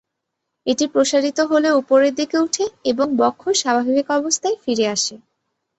এটি প্রসারিত হলে উপরের দিকে উঠে এবং বক্ষ স্বাভাবিক অবস্থায় ফিরে আসে।